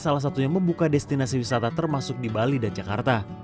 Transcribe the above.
salah satunya membuka destinasi wisata termasuk di bali dan jakarta